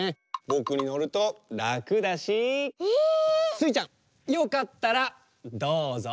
スイちゃんよかったらどうぞ。